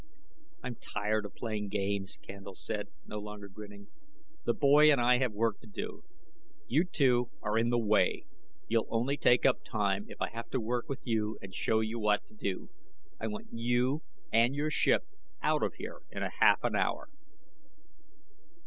"I'm tired of playing games," Candle said, no longer grinning. "The boy and I have work to do. You two are in the way. You'll only take up time if I have to work with you and show you what to do. I want you and your ship out of here in half an hour."